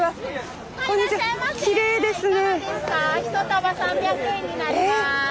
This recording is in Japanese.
１束３００円になります。